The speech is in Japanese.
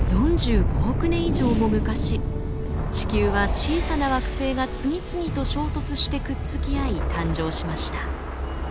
４５億年以上も昔地球は小さな惑星が次々と衝突してくっつき合い誕生しました。